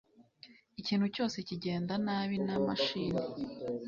Ikintu cyose kigenda nabi na mashini